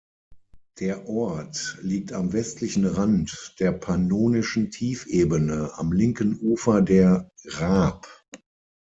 Der Ort liegt am westlichen Rand der Pannonischen Tiefebene, am linken Ufer der Raab.